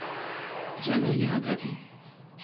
جلای ادبی